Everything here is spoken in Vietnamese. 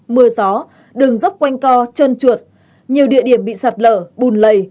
mưa gió đường dốc quanh co chân chuột nhiều địa điểm bị sạt lở bùn lầy